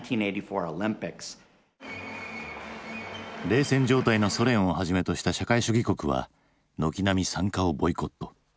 冷戦状態のソ連をはじめとした社会主義国は軒並み参加をボイコット。